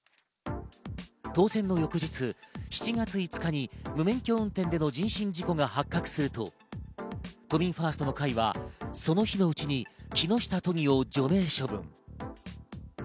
当選の翌日、７月５日に無免許運転での人身事故が発覚すると、都民ファーストの会はその日のうちに木下都議を除名処分。